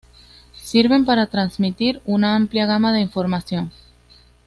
Sirven para transmitir una amplia gama de información.